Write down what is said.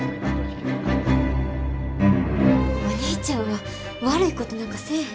お兄ちゃんは悪いことなんかせえへん。